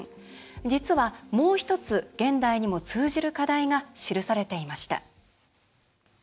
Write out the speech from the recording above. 実はもう１つ、現代にも通じる課題が記されていました。